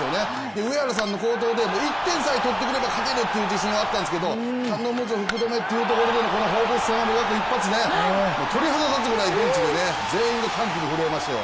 上原さんで１点さえ取ってくれれば勝てるという自信はあったんですけど、頼むぞ福留というところのこの放物線を描く一発、鳥肌が立つぐらい、ベンチで全員が歓喜に震えましたよ。